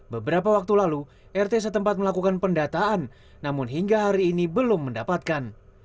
beberapa waktu lalu rt setempat melakukan pendataan namun hingga hari ini belum mendapatkan